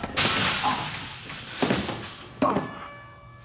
あっ！